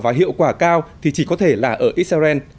và hiệu quả cao thì chỉ có thể là ở israel